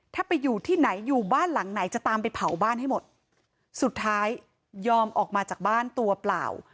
ถ้าไปอยู่ที่ไหนอยู่บ้านหลังไหนจะตามไปเผาบ้านให้หมดสุดท้ายยอมออกมาจากบ้านตัวเปล่า